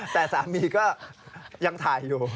แต่สามีก็ยังถ่ายอยู่